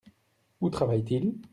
Où travaille-t-il ?